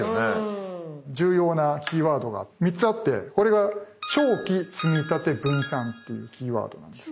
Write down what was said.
重要なキーワードが３つあってこれが長期積立分散っていうキーワードなんですね。